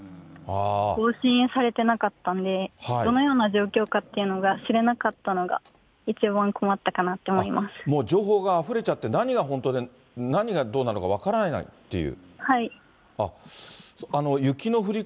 更新されてなかったんで、どのような状況かというのが知れなかったのが、一番困ったかなっもう情報があふれちゃって、何が本当で何がどうなのか分からないっていう。